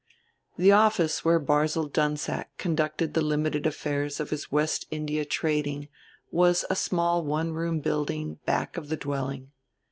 The office where Barzil Dunsack conducted the limited affairs of his West India trading was a small one room building back of the dwelling.